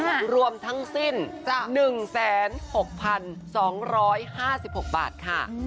อ่าฮะรวมทั้งสิ้นจ้ะ๑๖๒๕๖